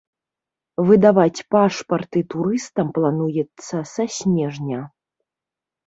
Выдаваць пашпарты турыстам плануецца са снежня.